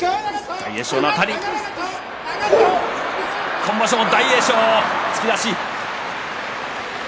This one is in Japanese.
今場所も大栄翔、突き出し。